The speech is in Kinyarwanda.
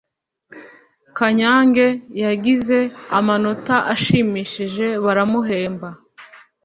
kanyange yagize amanota ashimishije baramuhemba